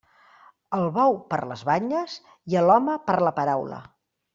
Al bou per les banyes i a l'home per la paraula.